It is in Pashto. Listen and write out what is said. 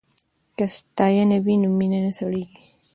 که ستاینه وي نو مینه نه سړیږي.